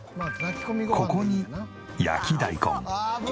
ここに焼き大根